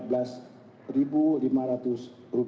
setelah sudah berlaku